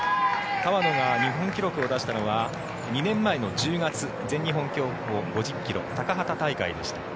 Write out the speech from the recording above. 川野が日本記録を出したのは２年前の１０月全日本競歩５０ｋｍ高畠大会でした。